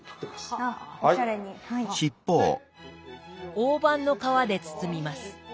大判の皮で包みます。